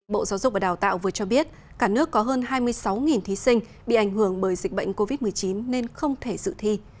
bộ giáo dục và đào tạo vừa cho biết cả nước có hơn hai mươi sáu thí sinh bị ảnh hưởng bởi dịch bệnh covid một mươi chín nên không thể dự thi